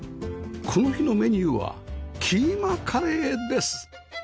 この日のメニューはキーマカレーです！